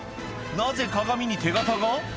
なぜ鏡に手形が？